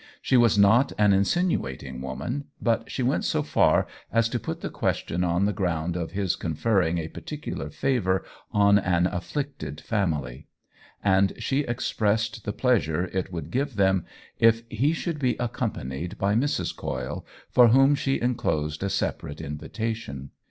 She was not an insinuating woman, but she went so far as to put the question on the ground of his conferring a particular favor on an af flicted family ; and she expressed the pleas ure it would give them if he should be ac companied by Mrs. Coyle, for whom she enclosed a separate invitation.